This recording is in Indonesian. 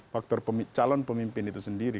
faktor calon pemimpin itu sendiri